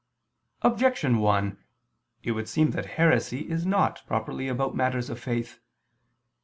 Objection 1: It would seem that heresy is not properly about matters of faith.